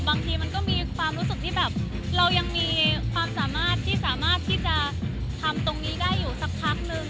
บางทีมันก็มีความรู้สึกว่าเรายังมีความสามารถที่จะทำตรงนี้ได้อยู่สักแพสนึง